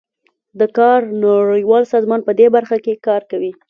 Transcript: د کار نړیوال سازمان پدې برخه کې کار کوي